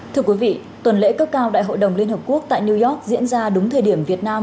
thưa quý vị tuần lễ cấp cao đại hội đồng liên hợp quốc tại new york diễn ra đúng thời điểm việt nam